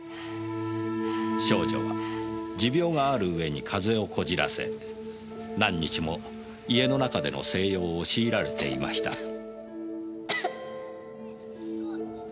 少女は持病がある上に風邪をこじらせ何日も家の中での静養を強いられていました。